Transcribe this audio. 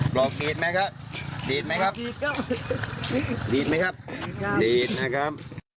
บอกดีดไหมครับดีดไหมครับดีดไหมครับดีดนะครับ